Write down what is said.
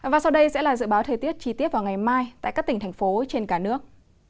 và sau đây sẽ là dự báo thời tiết chi tiết vào ngày mai tại các tỉnh thành phố trên cả nước